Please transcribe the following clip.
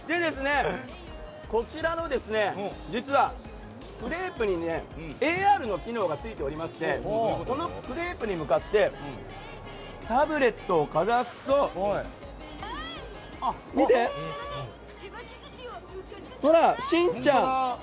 こちらのクレープにＡＲの機能がついておりましてこのクレープに向かってタブレットをかざすと見て、ほら！